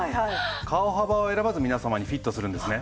顔幅を選ばず皆様にフィットするんですね。